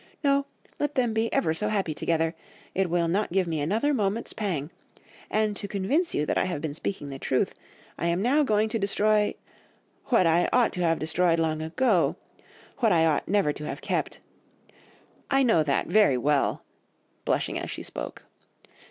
No, let them be ever so happy together, it will not give me another moment's pang; and, to convince you that I have been speaking the truth, I am now going to destroy—what I ought to have destroyed long ago—what I ought never to have kept; I know that very well (blushing as she spoke).